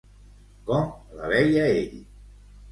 Com la veia ell?